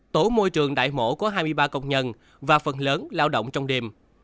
tổ môi trường đại mổ có hai mươi ba công nhân và phần lớn lao động trong đêm